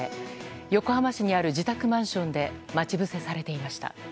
横浜市にある自宅マンションで待ち伏せされていました。